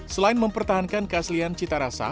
selain mempertahankan keaslian citarasa